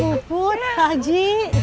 ibu bu put haji